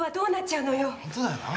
本当だよな。